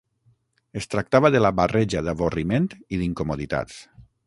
Es tractava de la barreja d'avorriment i d'incomoditats